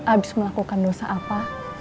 abis melakukan dosa apa